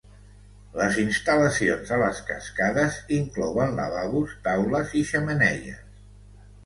Les instal·lacions a les cascades inclouen lavabos, taules i xemeneies.